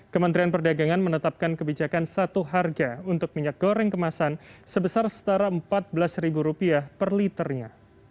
kementerian perdagangan menetapkan kebijakan satu harga untuk minyak goreng kemasan sebesar setara rp empat belas per liternya